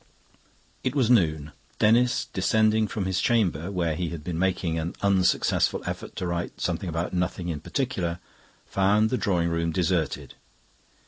It was noon. Denis, descending from his chamber, where he had been making an unsuccessful effort to write something about nothing in particular, found the drawing room deserted.